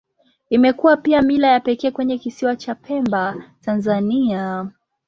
Imekuwa pia mila ya pekee kwenye Kisiwa cha Pemba, Tanzania.